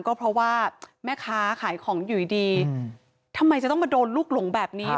ก็เพราะว่าแม่ค้าขายของอยู่ดีทำไมจะต้องมาโดนลูกหลงแบบนี้